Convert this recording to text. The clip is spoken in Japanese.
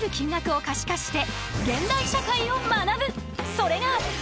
それが。